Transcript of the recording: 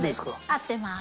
合ってます。